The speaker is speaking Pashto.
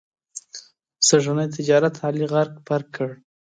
سږني تجارت علي غرق پرق کړ.